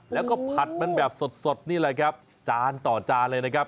แล้วก็ผัดมันแบบสดนี่แหละครับจานต่อจานเลยนะครับ